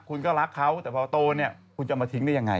คุณก็รักเขาแต่พอโตเนี่ยคุณจะมาทิ้งได้ยังไง